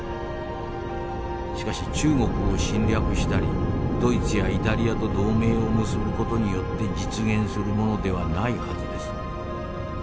しかし中国を侵略したりドイツやイタリアと同盟を結ぶ事によって実現するものではないはずです。